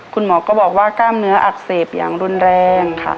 คุณหมอก็บอกว่ากล้ามเนื้ออักเสบอย่างรุนแรงค่ะ